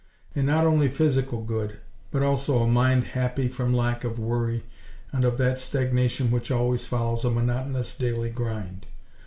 And not only physical good, but also a mind happy from lack of worry and of that stagnation which always follows a monotonous daily grind.